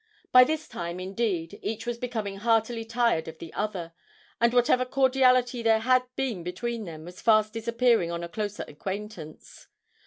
By this time, indeed, each was becoming heartily tired of the other, and whatever cordiality there had been between them was fast disappearing on a closer acquaintance.